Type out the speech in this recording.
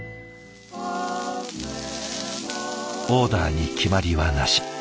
オーダーに決まりはなし。